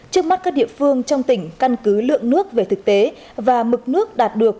trước mắt các địa phương trong tỉnh căn cứ lượng nước về thực tế và mực nước đạt được